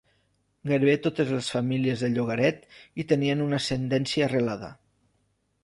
Gairebé totes les famílies del llogaret hi tenen una ascendència arrelada.